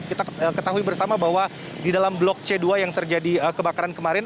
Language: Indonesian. kita ketahui bersama bahwa di dalam blok c dua yang terjadi kebakaran kemarin